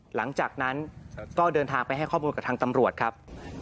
หลังจากนั้นก็เดินทางไปให้ข้อมูลกับทางตำรวจครับ